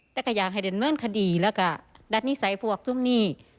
แล้วก็อยากให้เห็นเหมือนคดีแล้วก็ดัดนิสัยพวกตรงนี้